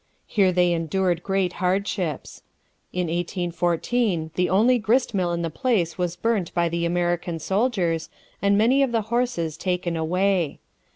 Here they endured great hardships. In 1814 the only grist mill in the place was burnt by the American soldiers, and many of the horses taken away.